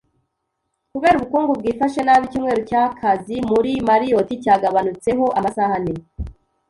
Kubera ubukungu bwifashe nabi, icyumweru cyakazi muri marriot cyagabanutseho amasaha ane.